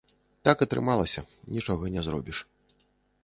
Так атрымалася, нічога не зробіш.